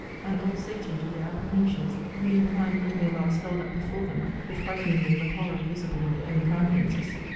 And old Satan, to their apprehensions, grinning behind a looking glass held up before them, to frighten them with the horror visible in their own countenances!